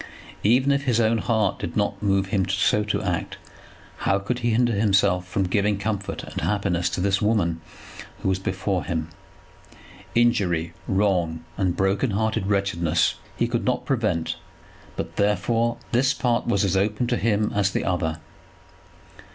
Even if his own heart did not move him so to act, how could he hinder himself from giving comfort and happiness to this woman who was before him? Injury, wrong, and broken hearted wretchedness, he could not prevent; but, therefore, this part was as open to him as the other.